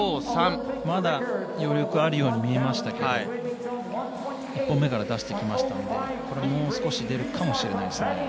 まだ余力があるように見えましたけど１本目から出してきましたのでもう少し出るかもしれないですね。